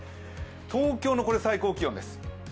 東京の最高気温です。